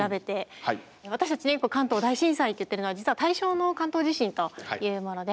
私たちねよく関東大震災と言ってるのは実は大正の関東地震というもので。